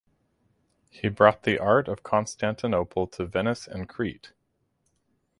He brought the art of Constantinople to Venice and Crete.